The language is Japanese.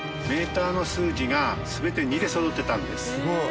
メーターの数字が全て２でそろってたんです。